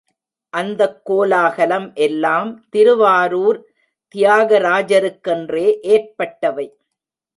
அந்தக் கோலாகலம் எல்லாம் திருவாரூர் தியாகராஜருக்கென்றே ஏற்பட்டவை.